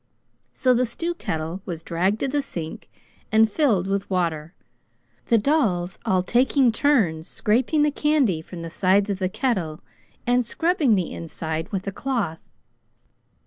So the stew kettle was dragged to the sink and filled with water, the dolls all taking turns scraping the candy from the sides of the kettle, and scrubbing the inside with a cloth.